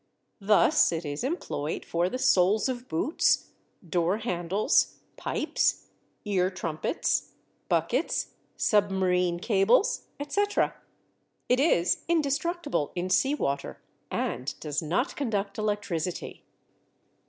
Thus, it is employed for the soles of boots, door handles, pipes, ear trumpets, buckets, submarine cables, etc. It is indestructible in sea water, and does not conduct electricity.